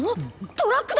トラックだ！